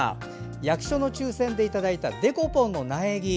役所の抽選でいただいたデコポンの苗木。